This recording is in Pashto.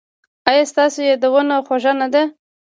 ایا ستاسو یادونه خوږه نه ده؟